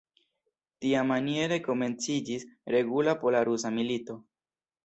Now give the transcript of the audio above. Tiamaniere komenciĝis regula pola-rusa milito.